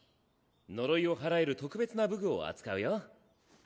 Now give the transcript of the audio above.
呪いを祓える特別な武具を扱うよ。